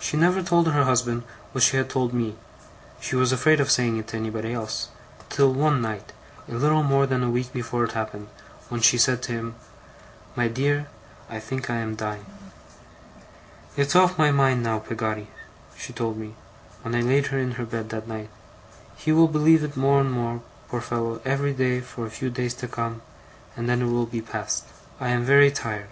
She never told her husband what she had told me she was afraid of saying it to anybody else till one night, a little more than a week before it happened, when she said to him: "My dear, I think I am dying." '"It's off my mind now, Peggotty," she told me, when I laid her in her bed that night. "He will believe it more and more, poor fellow, every day for a few days to come; and then it will be past. I am very tired.